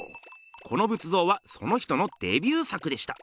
この仏像はその人のデビュー作でした。